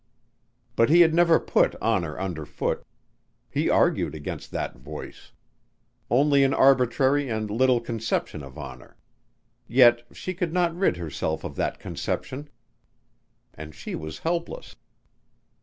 But he had never put honor underfoot, he argued against that voice; only an arbitrary and little conception of honor.... Yet she could not rid herself of that conception ... and she was helpless.